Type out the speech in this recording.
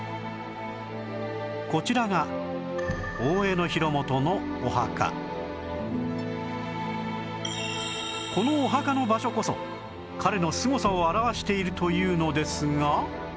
こちらがこのお墓の場所こそ彼のすごさを表わしているというのですが